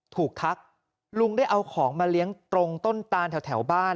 ทักลุงได้เอาของมาเลี้ยงตรงต้นตานแถวบ้าน